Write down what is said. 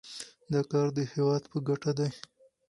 دا کار د هیواد په ګټه دی.